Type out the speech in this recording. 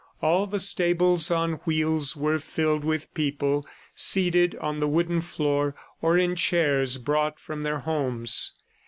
All the stables on wheels were filled with people seated on the wooden floor or in chairs brought from their homes.